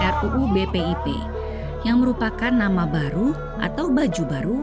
ruu bpip yang merupakan nama baru atau baju baru